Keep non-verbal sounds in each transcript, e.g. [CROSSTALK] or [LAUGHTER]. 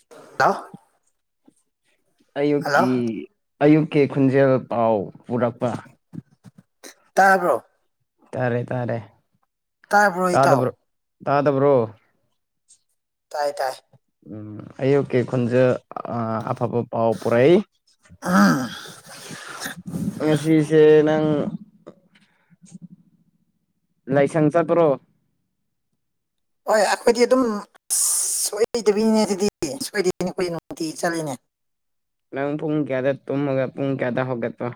[UNINTELLIGIBLE] ꯇꯥ ꯑꯌꯨꯛꯀꯤ ꯑꯌꯨꯛꯀꯤ ꯈꯨꯟꯖꯦꯜ ꯄꯥꯎ ꯄꯨꯔꯛꯄ ꯇꯥꯕ꯭ꯔꯣ ꯇꯥꯔꯦ ꯇꯥꯔꯦ ꯇꯔꯥꯕꯔ‌ꯣ ꯏꯇꯥꯎ ꯇꯥꯗꯕ꯭ꯔꯣ ꯇꯥꯗꯕ꯭ꯔꯣ ꯇꯥꯏ ꯇꯥꯏ ꯎꯝ ꯑꯌꯨꯛꯀꯤ ꯈꫭꯟꯖ‌ꯦꯜ ꯑꯥ ꯐꯕ ꯄꯥꯎ ꯄꯨꯔꯛꯏ [UNINTELLIGIBLE] ꯉꯁꯤꯁꯦ ꯅꯪ ꯂꯥꯏꯁꯪ ꯆꯠꯄ꯭ꯔꯣ ꯍꯣꯏ ꯑꯩꯈꫭꯏꯗꯤ ꯑꯗꯨꯝ ꯑꯁ ꯁꯣꯏꯗꯕꯤꯅꯦ ꯑꯗꯨꯗꯤ ꯁꯣꯏꯗꯣꯏꯕꯤꯅꯦ ꯑꯩꯈꯣꯏ ꯅꯨꯡꯇꯤꯒꯤ ꯆꯠꯂꯤꯅꯦ ꯅꯪ ꯄꯨꯡ ꯀꯌꯥꯗ ꯇꯨꯝꯃꯒ ꯄꯨꯡ ꯀꯌꯥꯗ ꯍꯧꯒꯠꯄ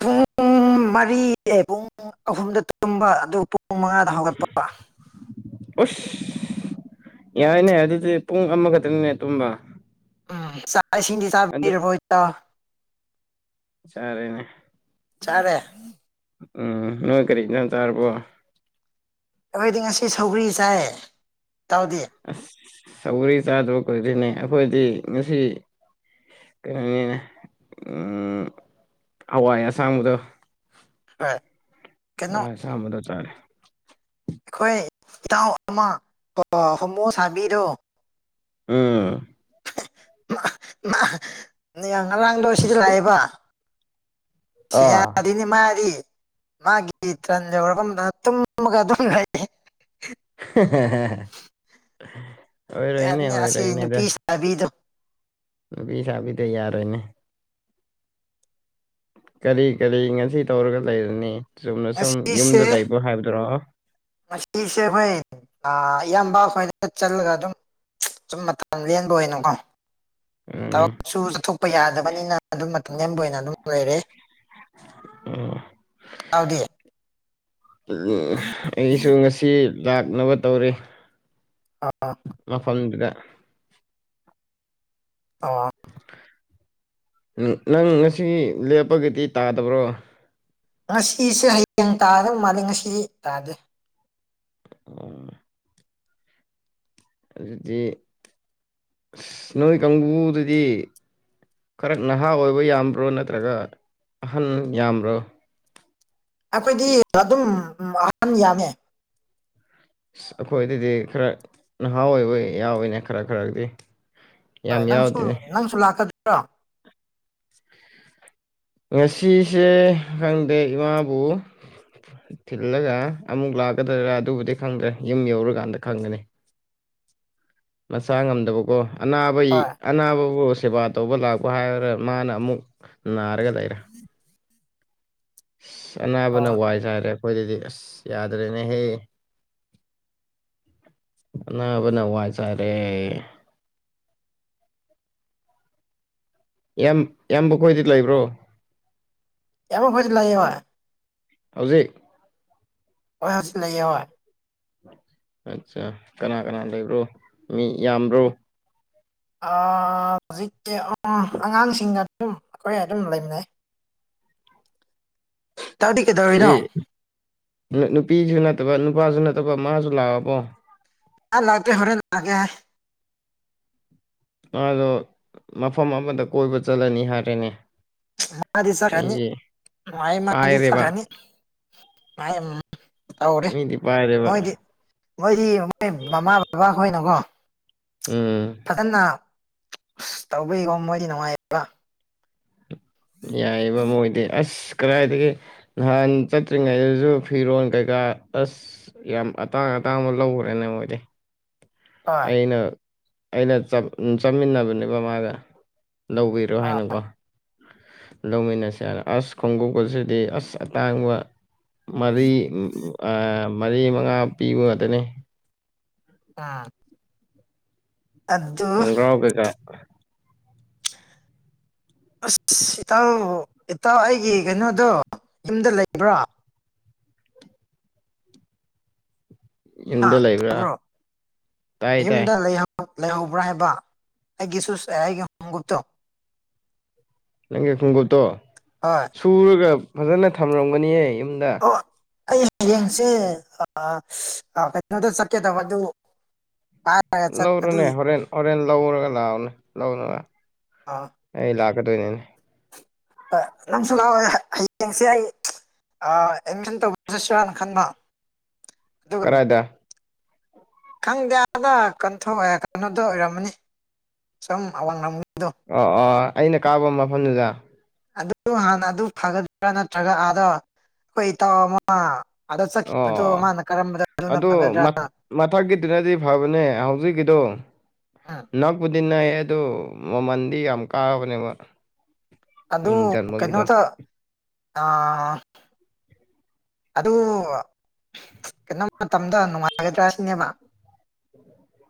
ꯄꯨꯡ ꯃꯔꯤ ꯄꯨꯡ ꯑꯍꯨꯝꯗ ꯇꯨꯝꯕ ꯑꯗꯨ ꯄꯨ ꯄꯨꯡ ꯃꯉꯥꯗ ꯍꯧꯒꯠꯄ ꯎꯁ ꯌꯥꯏꯅꯦ ꯑꯗꯨꯗꯤ ꯄꯨꯡ ꯑꯃꯈꯛꯇꯅꯤꯅꯦ ꯇꯨꯝꯕ ꯎꯝ ꯆꯥꯛ ꯏꯁꯤꯡꯗꯤ ꯑꯗꯨ ꯆꯥꯕꯤꯔꯕꯣ ꯏꯇꯥꯎ ꯆꯥꯔꯦꯅꯦ ꯆꯥꯔꯦ ꯎꯝ ꯅꯣꯏ ꯀꯔꯤ ꯏꯟꯖꯥꯡ ꯆꯥꯔꯕꯣ ꯑꯩꯈꯣꯏꯗꯤ ꯉꯁꯤ ꯁꯧꯒ꯭ꯔꯤ ꯆꯥꯏ ꯏꯇꯥꯎꯗꯤ ꯁꯧꯒꯔꯤ ꯆꯥꯗꯕ ꯀꯨꯏꯗ꯭ꯔꯤꯅꯦ ꯑꯩꯈꯣꯏꯗꯤ ꯉꯁꯤ ꯀꯩꯅꯣꯅꯤꯅꯦ ꯎꯝ ꯍꯋꯥꯏ ꯑꯁꯥꯡꯕꯗꯣ ꯍ ꯍꯋꯥꯏ ꯑꯁꯥꯡꯕꯗꯣ ꯆꯥꯔꯦ ꯑꯩꯈꯣꯏ ꯏꯇꯥꯎ ꯑꯃ ꯑꯥ ꯍꯣꯃꯣ ꯁꯥꯕꯤꯗꯣ ꯎꯝ ꯃꯥ ꯃꯥ ꯃꯥ ꯉꯔꯥꯡꯗꯣ ꯁꯤꯗ ꯂꯥꯛꯑꯦꯕ [UNINTELLIGIBLE] ꯑꯥ ꯌꯥꯗꯦꯅꯦ ꯃꯥꯗꯤ ꯃꯥꯒꯤ ꯇꯔꯟ ꯌꯧꯔꯕ ꯃꯇꯝꯗ ꯇꯨꯝꯃꯒ ꯑꯗꯨꯝ ꯂꯩ [UNINTELLIGIBLE] [UNINTELLIGIBLE] ꯌꯥꯅꯤ ꯑꯣꯏꯔꯣꯏꯅꯦ- ꯑꯁꯤ ꯑꯣꯏꯔꯣꯏꯅꯦꯗꯣ ꯅꯨꯄꯤ ꯁꯥꯕꯤꯗꯣ ꯅꯨꯄꯤꯁꯥꯕꯤ ꯗꯣ ꯌꯥꯔꯣꯏꯅꯦ ꯀꯔꯤ- ꯀꯔꯤ ꯉꯁꯤ ꯇꯧꯔꯒ ꯂꯩꯔꯅꯤ ꯆꯨꯝꯅ ꯁꯨꯝ ꯌꯨꯝꯗ ꯂꯩꯕ ꯍꯥꯏꯕꯗꯨꯔꯣ ꯃꯁꯤꯁꯦ ꯈꯣꯏ ꯑꯥ ꯏꯌꯥꯝꯕ ꯍꯣꯏꯗ ꯆꯠꯂꯒ ꯑꯗꯨꯝ ꯁꯨꯝ ꯃꯇꯝ ꯂꯦꯟꯕ ꯑꯣꯏꯅꯀꯣ ꯎꯝ ꯊꯕꯛꯁꯨ ꯆꯠꯊꯣꯛꯄ ꯌꯥꯗꯕꯅꯤꯅ ꯑꯗꯨꯝ ꯃꯇꯝ ꯂꯦꯟꯕ ꯑꯣꯏꯅ ꯑꯗꯨꯝ ꯂꯩꯔꯦ ꯎꯝ [UNINTELLIGIBLE] ꯑꯧꯗꯤ [UNINTELLIGIBLE] ꯑꯩꯁꯨ ꯉꯁꯤ ꯂꯥꯛꯅꯕ ꯇꯧꯔꯤ ꯑꯥ ꯑꯥ ꯃꯐꯝꯗꯨꯗ ꯑꯣ ꯅ ꯅꯪ ꯉꯁꯤ ꯂꯦꯞꯄꯒꯤꯗꯤ ꯇꯥꯗꯕ꯭ꯔꯣ ꯉꯁꯤꯁꯦ ꯍꯌꯦꯡ ꯇꯥꯗꯧ ꯃꯥꯜꯂꯤ ꯉꯁꯤ ꯇꯥꯗꯦ ꯑꯣ [UNINTELLIGIBLE] ꯑꯗꯨꯗꯤ ꯑꯁ ꯅꯣꯏ ꯀꯥꯡꯕꯨꯗꯨꯗꯤ ꯈꯔ ꯅꯍꯥ ꯑꯣꯏꯕ ꯌꯥꯝꯕ꯭ꯔꯣ ꯅꯠꯇ꯭ꯔꯒ ꯑꯍꯟ ꯌꯥꯝꯕ꯭ꯔꯣ ꯑꯩꯈꯣꯏꯗꯤ ꯑꯗꯨꯝ ꯑꯍꯥꯟ ꯌꯥꯝꯃꯦ ꯑꯩꯈꯣꯏꯗꯗꯤ ꯈꯔ ꯅꯍꯥ ꯑꯣꯏꯕ ꯌꯥꯎꯋꯤꯅꯦ ꯈꯔ ꯈꯔꯗꯤ ꯍꯣꯏ ꯌꯥꯝ ꯅꯪꯁꯨ- ꯌꯥꯎꯗꯦꯅꯦ ꯅꯪꯁꯨ ꯂꯥꯛꯀꯗ꯭ꯔꯣ ꯉꯁꯤꯁꯦ ꯈꯪꯗꯦ ꯏꯃꯥꯕꯨ ꯊꯤꯜꯂꯒ ꯑꯃꯨꯛ ꯂꯥꯛꯀꯗꯔꯥ ꯑꯗꯨꯕꯨꯗꯤ ꯈꯪꯗ꯭ꯔꯦ ꯌꯨꯝ ꯌꯧꯔꯀꯥꯟꯗ ꯈꯪꯒꯅꯤ ꯃꯆꯥ ꯉꯝꯗꯕꯀꯣ ꯑꯅꯥꯕ ꯍꯣꯏ ꯑꯅꯥꯕꯕꯨ ꯁꯦꯕꯥ ꯇꯧꯕ ꯂꯥꯛꯄ ꯍꯥꯏꯔꯒ ꯃꯥꯅ ꯑꯃꯨꯛ ꯅꯥꯔꯒ ꯂꯩꯔꯦ ꯑꯁ ꯑꯅꯥꯕꯅ ꯑꯣ ꯋꯥꯏ ꯆꯥꯏꯔꯦ ꯑꯩꯈꯣꯏꯗꯗꯤ ꯑꯁ ꯌꯥꯗ꯭ꯔꯦꯅꯦꯍꯦ ꯑꯅꯥꯕꯅ ꯋꯥꯏ ꯆꯥꯏꯔꯦ ꯑꯦꯝꯕ ꯈꯣꯏꯗꯤ ꯂꯩꯕ꯭ꯔꯣ ꯑꯦꯝꯕ ꯈꯣꯏꯗ ꯂꯩꯌꯦ ꯍꯣꯏ ꯍꯧꯖꯤꯛ ꯍ ꯍꯧꯖꯤ ꯂꯩ ꯍ [UNINTELLIGIBLE] ꯑꯠꯆꯥ ꯀꯅꯥ -ꯀꯅꯥ ꯂꯩꯕ꯭ꯔꯣ ꯃꯤ ꯌꯥꯝꯕ꯭ꯔꯣ ꯍꯧꯖꯤꯛꯇꯤ ꯑꯉꯥꯡꯁꯤꯡꯒ ꯑꯗꯨꯝ ꯑꯩꯈꯣꯏ ꯑꯗꯨꯝ ꯂꯩꯃꯤꯟꯅꯩ ꯇꯧꯗꯤ ꯁꯤ ꯀꯩꯗꯧꯔꯤꯅꯣ ꯅꯨꯄꯤꯖꯨ ꯅꯠ ꯇꯕꯥ ꯅꯨꯄꯥꯁꯨ ꯅꯠꯇꯕ ꯃꯥꯁꯨ ꯂꯥꯛꯑꯕꯣ ꯑ ꯂꯥꯛꯇꯦ ꯍꯔꯦꯟ ꯂꯥꯛꯒꯦ ꯍꯥꯏ ꯃꯥꯗꯣ ꯃꯐꯝ ꯑꯃꯗ ꯀꯣꯏꯕ ꯆꯠꯂꯅꯤ ꯍꯥꯏꯔꯅꯦ ꯃꯥꯗꯤ ꯆꯠꯈ꯭ꯔꯅꯤ ꯅꯨꯡꯉꯥꯏ ꯃꯥꯗꯤ ꯄꯥꯏꯔꯦꯕ ꯆꯠꯈ꯭ꯔꯅꯤ ꯇꯧꯔꯦ ꯃꯤꯗꯤ ꯄꯥꯏꯔꯦꯕ ꯃꯣꯏꯗꯤ ꯃꯣꯏꯗꯤ ꯃꯣꯏ ꯃꯃꯥ ꯕꯕꯥ ꯈꯣꯏꯅꯀꯣ ꯎꯝ [UNINTELLIGIBLE] ꯐꯖꯅ ꯑꯁ ꯇꯧꯕꯏꯀꯣ ꯃꯣꯏꯗꯤ ꯅꯨꯡꯉꯥꯏꯌꯦꯕ ꯌꯥꯏꯌꯦꯕ ꯃꯣꯏꯗꯤ ꯑꯁ ꯀꯔꯥꯏꯗꯒꯤ ꯅꯍꯥꯟ ꯆꯠꯇ꯭ꯔꯤꯉꯩꯗꯁꯨ ꯐꯤꯔꯣꯜ ꯀꯩꯀꯥ ꯑꯁ ꯌꯥꯝ ꯑꯇꯥꯡ [UNINTELLIGIBLE] ꯑꯇꯥꯡꯕ ꯂꯧꯒ꯭ꯔꯦꯅꯦ ꯃꯣꯏꯗꯤ ꯍꯣꯏ ꯑꯩꯅ ꯑꯩꯅ ꯆꯞ [UNINTELLIGIBLE] ꯆꯥꯃꯤꯟꯅꯕꯅꯦꯕ ꯃꯥꯒ ꯂꯧꯕꯤꯔꯣ ꯍꯣꯏ ꯍꯥꯏꯅꯀꯣ ꯂꯧꯃꯤꯟꯅꯁꯦ ꯍꯥꯏꯔ ꯑꯁ ꯈꯣꯡꯒꯨꯞ ꯑꯁꯤꯗꯤ ꯑꯁ ꯑꯇꯥꯡꯕ ꯃꯔꯤ ꯃꯔꯤ ꯃꯉꯥ ꯄꯤꯕ ꯉꯥꯛꯇꯅꯦ ꯑꯥ ꯈꯪꯒ꯭ꯔꯥꯎ ꯀꯩꯀꯥ [INAUDIBLE] ꯑꯁ ꯏꯇꯥꯎ ꯏꯇꯥꯎ ꯑꯩꯒꯤ ꯀꯩꯅꯣꯗꯣ ꯌꯨꯝꯗ ꯂꯩꯕ꯭ꯔꯥ ꯍꯥ ꯌꯨꯝꯗ ꯂꯩꯕ꯭ꯔꯥ ꯇꯥꯕ꯭ꯔꯣ ꯇꯥꯏ ꯌꯨꯝꯗ ꯇꯥꯏ ꯂꯩꯍꯧ [UNINTELLIGIBLE] ꯂꯩꯍꯧꯕ꯭ꯔꯥ ꯍꯥꯏꯕ ꯑꯩꯒꯤ ꯁꯨꯁ ꯑꯩꯒꯤ [UNINTELLIGIBLE] ꯇꯣ ꯅꯪꯒꯤ ꯈꯣꯡꯎꯞꯇꯣ ꯁꯨꯔꯒ ꯐꯖꯅ ꯊꯝꯂꯝꯒꯅꯤꯌꯦ ꯌꯨꯝꯗ ꯑꯣ ꯑꯩ ꯍꯌꯦꯡꯁꯦ ꯀꯩꯅꯣꯗ ꯆꯠꯀꯦꯗꯕ ꯑꯗꯨ ꯄꯥꯏꯔꯒ ꯆꯠ ꯂꯧꯔꯨꯅꯦ ꯑꯗꯨꯏ ꯍꯣꯔꯦꯟ ꯍꯣꯔꯦꯟ ꯂꯧꯔꯒ ꯂꯥꯛꯑꯣꯅꯦ ꯑ [UNINTELLIGIBLE] ꯑꯩ ꯂꯥꯛ [UNINTELLIGIBLE] [UNINTELLIGIBLE] ꯅꯪꯁꯨ ꯂꯥꯛꯑꯣ [UNINTELLIGIBLE] ꯍꯌꯦꯡꯁꯦ ꯑꯩ [UNINTELLIGIBLE] ꯑꯦꯗꯃꯤꯁꯟ ꯇꯧꯕ ꯆꯠꯁꯤꯔꯥꯅ ꯈꯟꯕ ꯑꯗꯨꯒ ꯀꯔꯥꯏꯗ ꯈꯪꯗꯦ ꯑꯥꯗ ꯀꯟꯊꯣꯛꯑꯦ ꯀꯩꯅꯣꯗꯣ ꯑꯣꯏꯔꯝꯃꯅꯤ ꯁꯨꯝ ꯑꯋꯥꯡ [UNINTELLIGIBLE] ꯑ ꯑ ꯑꯩꯅ ꯀꯥꯕ ꯃꯐꯝꯗꯨꯗ ꯑꯗꯨ ꯍꯥꯟꯅ ꯑꯗꯨ ꯐꯒꯗ꯭ꯔꯥ ꯅꯠꯇ꯭ꯔꯒ ꯑꯥꯗꯣ ꯑꯩꯈꯣꯏ ꯏꯇꯥꯎ ꯑꯃ ꯑꯥꯗ ꯆꯠꯈꯤꯕꯗꯣ ꯑꯣ ꯃꯥꯅ ꯀꯔꯝꯕꯗ ꯑꯗꯨꯅ ꯑꯗꯨ ꯐꯒꯗ꯭ꯔꯥꯅ [UNINTELLIGIBLE] ꯃꯊꯛꯀꯤꯗꯤꯅꯗꯤ ꯐꯕꯅꯦ ꯍꯧꯖꯤꯛꯀꯤ ꯎꯝ [UNINTELLIGIBLE] [UNINTELLIGIBLE] [UNINTELLIGIBLE] ꯅꯌꯦ ꯑꯗꯨ ꯃꯃꯟꯗꯤ ꯌꯥꯝ ꯀꯥꯕꯅꯦꯕ ꯑꯗꯨ ꯃꯤꯡ ꯆꯟꯕꯒꯤꯗꯣ ꯀꯩꯅꯣꯇ ꯑ [UNINTELLIGIBLE] ꯑꯗꯨ ꯀꯩꯅꯣꯝ ꯃꯇꯝꯗ ꯅꯨꯡꯉꯥꯏꯒꯗ꯭ꯔꯥ ꯁꯤꯅꯦꯕ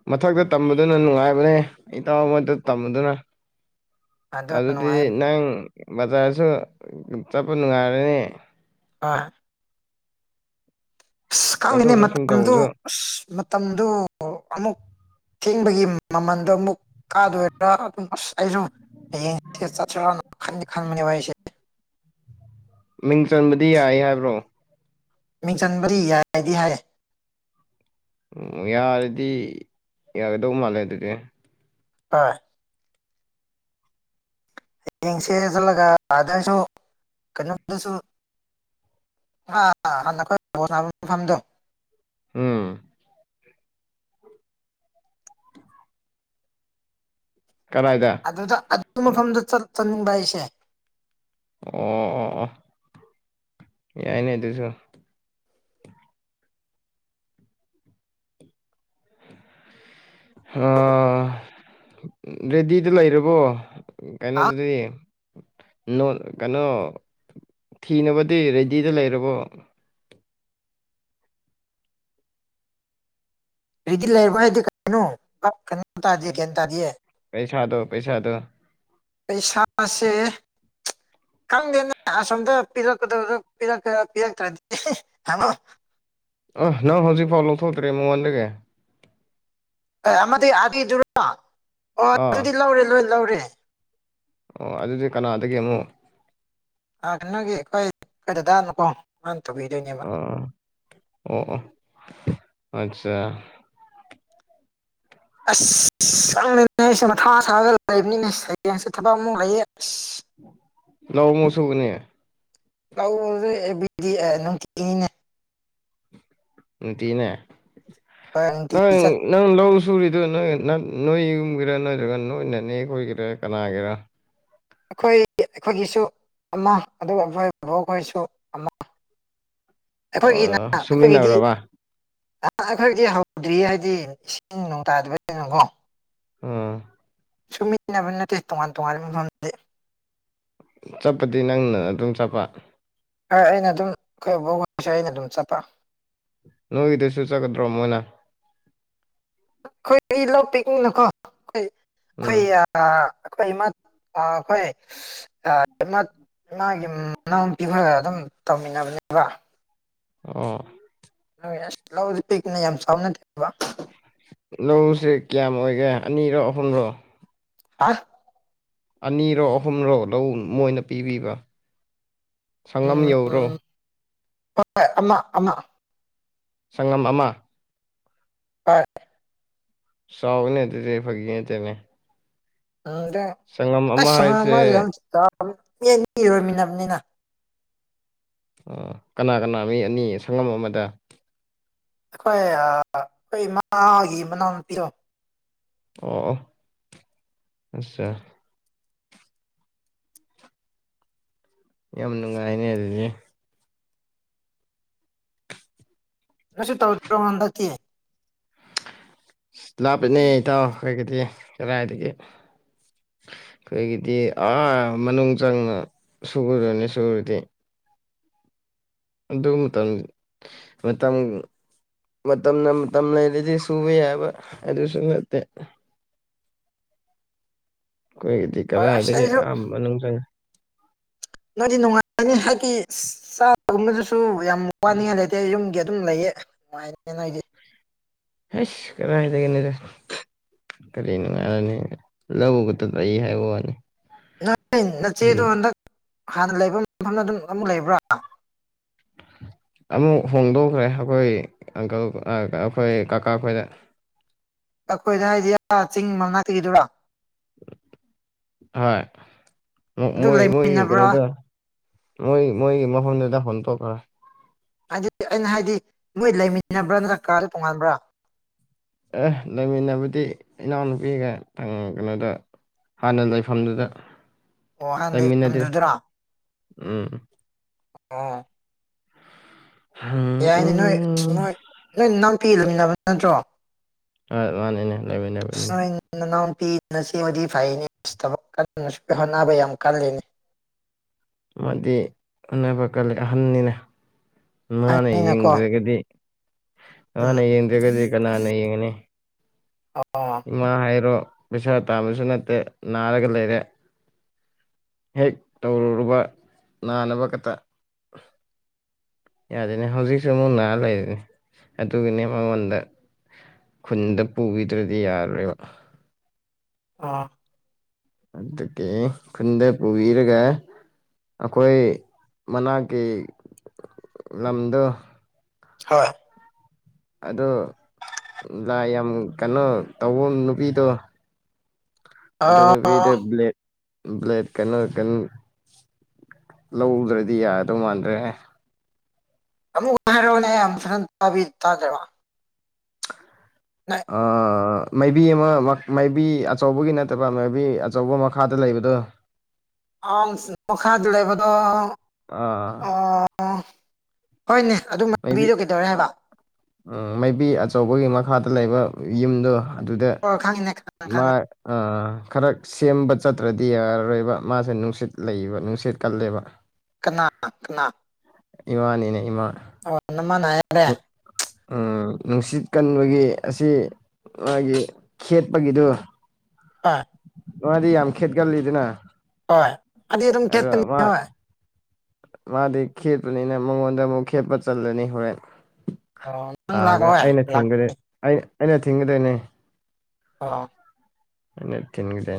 ꯃꯊꯛꯇ ꯇꯝꯕꯗꯨꯅ ꯅꯨꯡꯉꯥꯏꯕꯅꯦ ꯏꯇꯥꯎ ꯑꯃꯗꯣ ꯇꯝꯕꯗꯨꯅ ꯑꯗꯨ ꯑꯗꯨꯗꯤ ꯅꯨꯡꯉꯥꯏ ꯅꯪ ꯕꯖꯥꯔꯁꯨ ꯆꯠꯄ ꯅꯨꯡꯉꯥꯏꯔꯅꯤ ꯑ ꯑꯁ ꯈꯪꯉꯤꯅꯦ ꯆꯠꯊꯣꯛ ꯆꯠꯁꯤꯟ ꯃꯇꯝꯗꯨ ꯇꯧꯕꯁꯨ ꯑꯁ ꯃꯇꯝꯗꯨ ꯑꯃꯨꯛ ꯊꯦꯡꯕꯒꯤ ꯃꯃꯟꯗꯣ ꯑꯃꯨꯛ ꯀꯥꯗꯣꯏꯔꯥ ꯑꯁ ꯑꯩꯁꯨ ꯍꯌꯦꯡꯁꯦ ꯆꯠꯁꯤꯔꯥꯅ ꯈꯟꯗꯤ ꯈꯟꯕꯅꯦꯕ ꯑꯩꯁꯦ ꯃꯤꯡ ꯆꯟꯕꯗꯤ ꯌꯥꯏ ꯍꯥꯏꯕ꯭ꯔꯣ ꯃꯤꯡ ꯆꯟꯕꯗꯤ ꯌꯥꯏ ꯗꯤ ꯍꯥꯏꯌꯦ ꯎꯝ ꯌꯥꯔꯗꯤ ꯌꯥꯒꯗꯧ ꯃꯥꯜꯂꯦ ꯑꯗꯨꯗꯤ ꯍꯣꯏ ꯍꯌꯦꯡꯁꯦ ꯆꯠꯂꯒ ꯑꯥꯗꯁꯨ ꯀꯩꯅꯣꯝꯗꯁꯨ [UNINTELLIGIBLE] ꯃꯐꯝꯗꯣ ꯎꯝ ꯀꯗꯥꯏꯗ ꯑꯗꯨꯗ ꯑꯗꯨ ꯃꯐꯝꯗ ꯆꯠꯅꯤꯡꯕ ꯑꯩꯁꯦ ꯑꯣ ꯑꯣ ꯑꯣ ꯌꯥꯏ ꯅꯦ ꯑꯗꯨꯨꯁꯨ ꯔꯦꯗꯤꯗ ꯂꯩꯔꯕꯣ ꯍꯥ ꯀꯥꯏꯅꯗꯗꯤ ꯅꯣ ꯀꯩꯅꯣ ꯊꯤꯅꯕꯗꯤ ꯔꯦꯗꯤꯗ ꯂꯩꯔꯕꯣ ꯂꯩꯗꯤ ꯂꯩꯔꯕ ꯗꯤ ꯀꯔꯤꯅꯣ ꯚꯥꯞ ꯇꯥꯗꯦ ꯒꯌ꯭ꯥꯟ ꯇꯗꯤꯌꯦ ꯄꯩꯁꯥꯗꯣ ꯄꯩꯁꯥꯗꯣ ꯄꯩꯁꯥꯥꯁꯦ ꯈꯪꯗꯦꯅꯦ ꯑꯁꯣꯝꯗ ꯄꯤꯔꯛꯀꯗ ꯄꯤꯔꯛꯇ꯭ꯔꯗꯤꯃꯣ ꯑ ꯅꯪ ꯍꯧꯖꯤꯛ ꯐꯥꯎꯊꯣꯛꯇ꯭ꯔꯦ ꯃꯣ ꯋꯥꯟꯗꯒ ꯑꯃꯗꯤ ꯑꯥꯕꯤꯗꯨꯔꯣ ꯑꯣ ꯑꯥ ꯑꯗꯨꯗꯤ ꯂꯧꯔꯦ ꯂꯣꯏ ꯂꯧꯔꯦ ꯑꯣ ꯑꯗꯨꯗꯤ ꯀꯅꯥꯗꯒꯤ ꯑꯃꯨꯛ ꯑꯒꯤ ꯑꯩꯈꯣꯏ ꯀꯩꯗꯅꯀꯣ ꯑ ꯑꯣ ꯑꯠꯆꯥ ꯑꯁ ꯆꯪꯅꯅꯦꯃ ꯊꯥ ꯁꯥꯒ ꯂꯩꯐꯅꯤꯅꯦ ꯍꯌꯦꯡꯁꯨ ꯊꯕꯛ ꯑꯃꯨꯉꯌꯦ ꯑꯁ ꯂꯧ ꯃꯁꯨꯅꯦ ꯂꯧꯦꯕꯤꯗꯤ ꯑꯦꯅꯨꯡꯅꯦ ꯇꯤꯅꯦ ꯅꯪ ꯅꯨꯡꯇꯤꯒꯤ ꯆꯠ ꯅꯪ ꯂꯧ ꯁꯨꯔꯤꯗꯣ ꯅꯣꯏ ꯅꯣꯏ ꯌꯨꯝꯒꯤꯦꯔꯥ ꯅꯣꯏꯠꯇ꯭ꯔꯒ ꯅꯣꯏꯅꯅꯦ ꯈꯣꯏꯒꯤꯔꯥ ꯀꯅꯥꯒꯤꯔ ꯑꯩꯈꯣꯏ ꯑꯩꯈꯣꯏꯒꯤꯁꯨ ꯑꯃ ꯑꯗꯨꯒ ꯑꯩꯕꯣꯏ ꯕꯕꯣꯛ ꯑꯩꯈꯣꯏꯁꯨ ꯑꯃ [INAUDIBLE] ꯑꯩꯈꯣꯏꯒꯤꯅ ꯑꯣ ꯑꯩꯈꯣꯏꯒꯤꯗꯤ ꯁꯨꯃꯤꯟꯅꯕ꯭ꯔꯕ ꯈꯛꯇꯤ ꯍꯧꯗ꯭ꯔꯤ ꯍꯥꯏꯗꯤ ꯏꯁꯤꯡ ꯅꯨꯡ ꯇꯥꯗꯕ ꯀꯩꯅꯣꯀꯣ ꯑꯥ ꯁꯨꯃꯤꯟꯅꯕ ꯅꯠꯇꯦ ꯇꯣꯉꯥꯟ ꯇꯣꯉꯥꯟꯕ ꯃꯐꯝꯁꯦ ꯆꯠꯄꯗꯤ ꯅꯪꯅ ꯑꯗꯨꯝ ꯆꯠꯄ ꯍꯣꯏ ꯑꯩꯅ ꯑꯗꯨꯝ ꯑꯩꯈꯣꯏꯕꯁꯦ ꯑꯩꯅ ꯑꯗꯨꯝ ꯆꯠꯄ ꯅꯣꯏꯒꯤꯗꯨꯁꯨ ꯆꯠꯀꯗ꯭ꯔꯣ ꯃꯣꯏꯅ ꯑꯩꯈꯣꯏ ꯑꯩ ꯂ ꯄꯤꯅꯀꯣ ꯑꯩꯣꯏ ꯑꯩꯈꯣꯏ ꯎꯝ ꯑꯩꯈꯣꯏ ꯏ ꯑꯩꯈꯣꯏ ꯃꯥꯃꯒꯤ ꯃꯅꯥꯎꯄꯤꯕ ꯑꯗꯨꯝ ꯇꯧꯃꯤꯟꯅꯕꯅꯦꯕ ꯑꯣ ꯑꯁ ꯂꯁ ꯄꯤꯛꯅ ꯌꯥꯝ ꯆꯥꯎꯅ ꯊꯦꯕ ꯂꯧꯁꯦ ꯀꯌꯥꯝ ꯑꯣꯏꯒꯦ ꯑꯅꯤꯔꯣ ꯑꯍꯨꯝꯔꯣ ꯍꯥ ꯑꯅꯤꯔꯣ ꯑꯍꯨꯝꯔꯣ ꯂꯧ ꯃꯣꯏꯅ ꯄꯤꯕꯤꯕ ꯁꯉꯝ ꯌꯧꯔꯣ ꯑ ꯑꯃ ꯁꯪꯉꯝ ꯑꯃ ꯑ ꯁꯥꯎꯅꯦ ꯑꯗꯨꯔ ꯐꯒ ꯇꯅꯦ ꯎꯝꯗ ꯑꯁ ꯍꯥꯏꯁꯦ ꯁꯨꯔꯣꯏꯃꯤꯟꯅꯕꯅꯤꯅ ꯑ ꯀꯅꯥ ꯀꯅꯥ ꯃꯤ ꯑꯅꯤ ꯁꯪꯉꯝ ꯑꯃꯗ ꯑꯩꯈꯣꯏ ꯑꯩꯈꯣꯏ ꯏꯃꯥꯒꯤ ꯃꯅꯥꯛꯇꯤꯔꯣ ꯑꯣ ꯑꯆꯥ ꯌꯥꯝꯅ ꯉꯥꯏꯅꯦꯗꯤ ꯉꯁ ꯇꯧꯗꯨ ꯃꯥꯟꯗꯗꯤ ꯂꯥꯞꯄꯅꯦ ꯏꯇꯥꯎ ꯑꯩꯩꯒꯤꯗꯤ ꯀꯗꯥꯥꯏꯗꯒꯤ ꯑꯩꯈꯣꯏꯒꯤꯗꯤ ꯑꯥ ꯃꯅꯨꯡ ꯆꯪꯅ ꯁꯨꯔꯅꯤ ꯁꯨꯔꯗꯤ ꯑꯗꯨ ꯃꯇꯝ ꯃꯇꯝ ꯃꯇꯝꯅ ꯃꯇꯝ ꯂꯩꯔꯗꯤ ꯁꯨꯕ ꯌꯥꯕ ꯑꯗꯨꯁꯨ ꯅꯠꯇꯦ ꯑꯩꯈꯣꯏꯒꯤꯗꯤ ꯍꯣꯏ ꯑꯁ ꯀꯗꯥꯥꯏꯗꯒꯤ ꯑꯩꯁꯨ ꯑꯍ ꯃꯅꯨꯡ ꯆꯪꯉ ꯅꯣꯏꯗꯤ ꯅꯨꯡꯉꯥꯏꯔꯅꯤ ꯍꯥꯏꯗꯤ ꯆꯥꯕꯒꯨꯝꯕꯗꯨꯁꯨ ꯌꯥꯝ ꯋꯥꯅꯤꯡꯉꯥꯏ ꯂꯩꯇꯦ ꯌꯨꯝꯒꯤ ꯑꯗꯨꯝ ꯂꯩꯌꯦ ꯅꯨꯡꯉꯥꯏꯅꯦ ꯅ ꯍꯥꯏꯗꯤ ꯍꯁ ꯀꯔ ꯍꯥꯏꯗꯒꯦꯗꯔ ꯀꯔꯤꯅꯅꯨꯡꯉꯅꯤ ꯂꯧꯧꯕꯒ ꯍꯥꯏ ꯋꯥ ꯋꯥꯅꯤ ꯅꯣꯏ ꯅꯆꯦꯗꯣ ꯎꯝ ꯍꯟꯗꯛ ꯍꯥꯟꯅ ꯂꯩꯕ ꯃꯐꯝꯗ ꯑꯗꯨꯝ ꯑꯃꯨꯛ ꯂꯩꯕ꯭ꯔꯥ [UNINTELLIGIBLE] ꯑꯃꯨꯛ ꯍꯣꯡꯗꯣꯛꯈ꯭ꯔꯦ ꯑꯩꯈꯣꯏ ꯑꯪꯀꯜ ꯑꯩꯈꯣꯏ ꯀꯀꯥ ꯈꯣꯏꯗ ꯑꯩꯈꯣꯏꯗ ꯍꯥꯏꯗꯤꯌꯥ ꯆꯤꯡ ꯃꯅꯥꯛꯇꯒꯤꯗꯨꯔꯥ ꯍꯣꯏ ꯑꯗꯨ ꯃꯣꯏ ꯃꯣꯏ ꯂꯩꯃꯤꯟꯅꯕ꯭ꯔꯥ ꯀꯩꯅꯣꯗ ꯃꯣꯏ ꯃꯣꯏ ꯃꯗ ꯐꯟꯇ ꯀ ꯍꯥꯏꯗꯤ ꯑꯩꯅ ꯍꯥꯏꯗꯤ ꯃꯣꯏ ꯂꯩꯃꯤꯟꯅꯕ꯭ꯔꯥ ꯅꯠꯇ꯭ꯔꯒ ꯀꯥꯗ ꯇꯣꯡꯉꯥꯟꯕ꯭ꯔꯥ ꯑꯦ ꯂꯩꯃꯤꯟꯅꯕꯗꯤ ꯏꯅꯥꯎꯅꯨꯄꯤꯒ ꯀꯩꯅꯣꯗ ꯍꯥꯟꯅ ꯂꯩꯐꯝꯗꯨꯗ ꯂꯩꯃꯤꯟꯅꯗꯦ ꯑꯣꯍꯟꯗꯖꯖꯔꯥ ꯎꯝ ꯑꯥ ꯌꯥꯏꯅꯦ ꯅꯣꯏ ꯑꯁ ꯎꯝ ꯅꯣꯏ ꯅꯣꯏ ꯅꯥꯝꯄꯤꯤꯔꯃꯤꯟꯅꯕ ꯅꯠꯇ꯭ꯔꯣ ꯍꯣꯏ ꯃꯥꯅꯤꯅꯦ ꯂꯩꯃꯤꯟꯅꯕꯅꯤꯅꯦ ꯅꯨꯄꯤꯤꯆ ꯑꯃꯗꯤ ꯐꯥꯏꯟꯁ ꯊꯕꯛ ꯀꯁꯨ ꯍꯣꯠꯅꯕ ꯌꯥꯝ ꯀꯜꯂꯤꯅꯤ ꯑꯃꯗꯤ ꯎꯅꯕ ꯀꯜꯂꯤ ꯑꯍꯟꯅꯤꯅ ꯅꯅꯦ ꯑꯍꯟꯅꯤꯅꯀꯣ ꯌꯦꯡꯗ꯭ꯔꯒꯗꯤ ꯎꯝ ꯃꯥꯥꯟꯅ ꯌꯦꯡꯗ꯭ꯔꯒꯗꯤ ꯀꯅꯥꯅ ꯌꯦꯡꯉꯅꯤ ꯑꯣ ꯏꯃꯥ ꯍꯥꯏꯔꯣ ꯄꯩꯁꯥ ꯇꯥꯕꯁꯨ ꯅꯠꯇꯦ ꯅꯥꯔꯒ ꯂꯩꯔꯦ ꯍꯦꯛ ꯇꯧꯔꯨꯔꯕ ꯅꯥꯅꯕ ꯈꯛꯇ ꯌꯥꯔꯦꯅꯦ ꯍꯧꯖꯤꯛꯁꯨ ꯑꯃꯨꯛ ꯅꯥꯔ ꯂꯩꯔꯤꯅꯦ ꯑꯗꯨꯒꯤꯅꯦ ꯃꯉꯣꯟꯗ ꯈꯨꯟꯗ ꯄꯨꯕꯤꯗ꯭ꯔꯗꯤ ꯌꯥꯔꯣ ꯑꯥ ꯑꯗꯨꯗ ꯀꯦ ꯈꯨꯟꯗ ꯄꯨꯋꯤꯔꯒ ꯑꯩꯈꯣꯏ ꯃꯅꯥꯛꯀꯤ ꯂꯝꯗꯣ ꯍꯣꯏ ꯑꯗꯣ ꯂ ꯌꯥꯝ ꯀꯩꯅꯣ ꯇꯧꯕ ꯅꯨꯄꯤꯗꯣ ꯑꯥ ꯑꯗꯨꯅꯗ꯭ꯂꯦ ꯕ꯭ꯂꯦꯠ ꯀꯩꯅꯣ ꯀꯩꯅꯣ ꯂꯧꯗ꯭ꯔꯗꯤ ꯌꯥꯗꯧ ꯃꯥꯟꯗ꯭ꯔꯦ ꯑꯃꯨꯛ ꯎꯍꯔꯣꯅꯦ ꯑꯝ ꯐ꯭ꯔꯟ ꯇꯕꯤ ꯇꯖꯃ ꯑꯥ ꯃꯥꯏꯕꯤ ꯑꯃ ꯃꯥꯏꯕꯤ ꯑꯆꯧꯕꯒꯤ ꯅꯠꯇꯕ ꯃꯥꯏꯕꯤ ꯑꯆꯧꯕ ꯃꯈꯥꯗ ꯂꯩꯕꯗꯣ ꯑ ꯃꯈꯈꯥꯗꯨꯔꯩꯕꯗ ꯑꯥ ꯍꯣꯏꯅꯦ ꯑꯗꯨ ꯃꯕꯤ ꯃꯕꯤꯗꯣ ꯀꯩꯗꯧꯔꯦ ꯍꯥꯏꯕ ꯎꯝ ꯃꯥꯏꯕꯤ ꯑꯆꯧꯕꯒꯤ ꯃꯈꯥꯗ ꯂꯩꯕ ꯌꯨꯝꯗꯣ ꯑꯗꯨꯗ ꯑꯣ ꯈꯪꯉꯤꯅꯦ ꯈꯪꯉꯦ ꯃꯥ ꯈꯪꯉꯦ ꯈꯔ ꯁꯦꯝꯕ ꯆꯠ ꯅꯠꯇ꯭ꯔꯗꯤ ꯌꯥꯔꯔꯣꯏꯕ ꯃꯥꯁꯦ ꯅꯨꯡꯁꯤꯠ ꯂꯩꯕ ꯅꯨꯡꯁꯤꯠ ꯀꯜꯂꯦꯕ ꯀꯅꯥ ꯀꯅꯥ ꯏꯃꯥꯅꯤꯅꯦ ꯏꯃꯥ ꯑꯣꯅꯃ ꯅꯅꯥꯏꯔꯦ ꯅꯨ- ꯅꯨꯡꯁꯤꯠ ꯀꯟꯕꯒꯤ ꯑꯁꯤ ꯃꯥꯒꯤ ꯈꯦꯠꯄꯒꯤꯗꯨ ꯍꯥ ꯅꯗꯤ ꯌꯥꯝ ꯈꯦꯠꯒ ꯂꯤꯗꯅ ꯍꯣꯏ ꯑꯗꯨ ꯑꯗꯨꯝ ꯈꯦꯠꯇꯅꯤ ꯍꯣꯏ ꯃꯥꯗꯤ ꯈꯦꯠꯄꯅꯤꯅ ꯃꯉꯣꯟꯗ ꯑꯃꯨꯛ ꯈꯦꯠꯄ ꯆꯜꯂꯅꯤ ꯍꯣꯔꯦꯟ ꯑꯣ ꯅꯪ ꯂꯥꯛꯑꯒ ꯂꯥꯛꯑꯣꯏ ꯑꯩꯅ ꯂꯥꯛ ꯊ ꯑꯩꯅ ꯊꯤꯡꯒꯗꯣꯏꯅꯦ ꯑꯥ ꯑꯗꯨ ꯇꯤꯟꯒꯗ